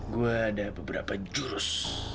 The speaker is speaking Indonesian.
gue ada beberapa jurus